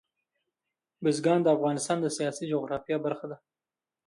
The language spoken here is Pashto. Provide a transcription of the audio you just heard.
بزګان د افغانستان د سیاسي جغرافیه برخه ده.